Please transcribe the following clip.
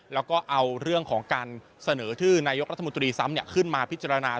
แล้วก็เอาเรื่องของการเสนอชื่อนายกรัฐมนตรีซ้ำขึ้นมาพิจารณา